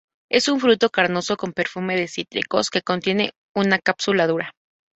Es un fruto carnoso con perfume de cítricos, que contiene una cápsula dura.